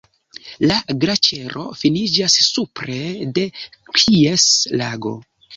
La glaĉero finiĝas supre de Gries-Lago.